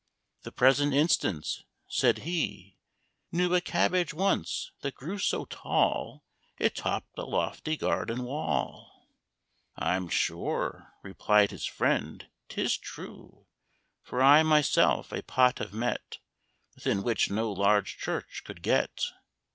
The present instance said he "knew A cabbage once that grew so tall, It topped a lofty garden wall." "I'm sure," replied his friend, "'tis true, For I myself a pot have met, Within which no large church could get."